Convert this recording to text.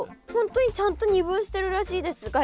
本当にちゃんと二分してるらしいです